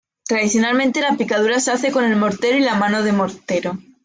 Tradicionalmente la picadura se hace con el mortero y la mano de mortero.